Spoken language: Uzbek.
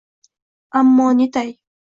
Ammo netay